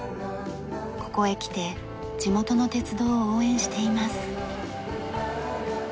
ここへ来て地元の鉄道を応援しています。